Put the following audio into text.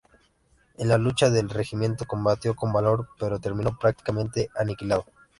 En la lucha el regimiento combatió con valor pero terminó prácticamente aniquilado.